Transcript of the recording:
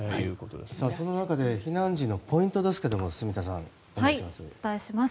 そんな中で避難時のポイントですが住田さん、お願いします。